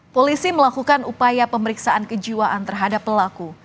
polisi melakukan upaya pemeriksaan kejiwaan terhadap pelaku